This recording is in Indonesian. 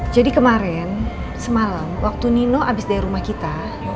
jadi kemarin semalam waktu nino abis dari rumah kita